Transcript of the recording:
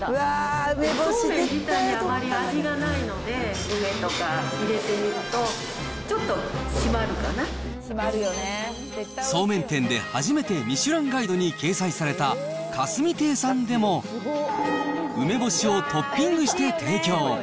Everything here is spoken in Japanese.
そうめん自体にあまり味がないので、梅とか入れてみると、ちそうめん店で初めてミシュランガイドに掲載された、霞亭さんでも、梅干しをトッピングして提供。